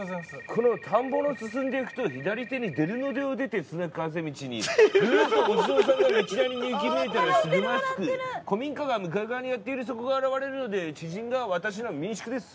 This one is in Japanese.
この田んぼの進んでいくと左手に出るのでを出てスナックあぜ道にずーっとお地蔵さんが道なりに行き見えたらすぐまっすぐ古民家が向かい側にやっているそこが現れるので知人が私の民宿です